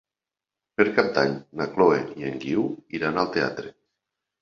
Per Cap d'Any na Chloé i en Guiu iran al teatre.